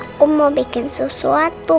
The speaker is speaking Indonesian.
aku mau bikin sesuatu